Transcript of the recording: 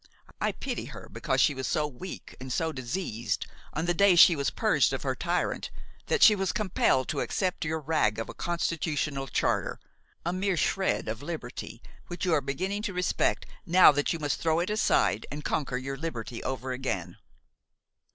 I pity her because she was so weak and so diseased, on the day she was purged of her tyrant, that she was compelled to accept your rag of a constitutional Charter, a mere shred of liberty which you are beginning to respect now that you must throw it aside and conquer your liberty over again."